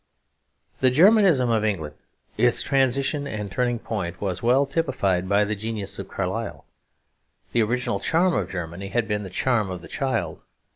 The Germanisation of England, its transition and turning point, was well typified by the genius of Carlyle. The original charm of Germany had been the charm of the child.